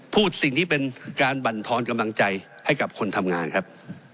พูดสิ่งที่เป็นการบรรทอนกำลังใจให้กับคนทำงานครับ